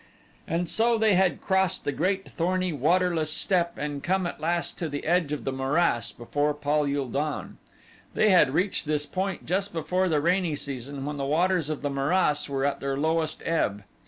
And so they had crossed the great thorny, waterless steppe and come at last to the edge of the morass before Pal ul don. They had reached this point just before the rainy season when the waters of the morass were at their lowest ebb.